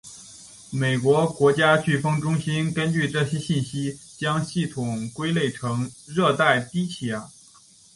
美国国家飓风中心根据这些信息将系统归类成热带低气压。